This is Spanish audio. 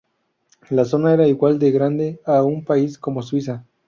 La zona era igual de grande a un país como Suiza.